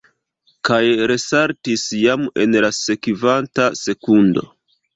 Kaj resaltis jam en la sekvanta sekundo.